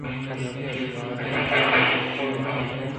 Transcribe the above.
چمّ کہ سرئے تو ک ءَ بنت